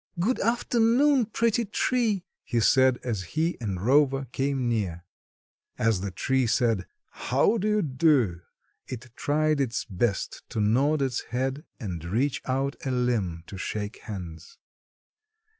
"Good afternoon, pretty tree," he said as he and Rover came near. As the tree said "How do you do?" it tried its best to nod its head and reach out a limb to shake hands.